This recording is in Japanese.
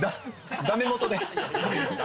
だめ元で。